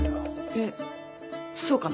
えっそうかな。